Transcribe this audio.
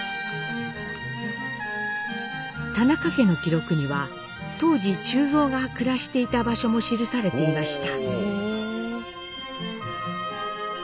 田中家の記録には当時忠蔵が暮らしていた場所も記されていました。